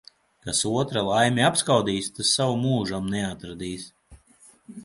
Kas otra laimi apskaudīs, tas savu mūžam neatradīs.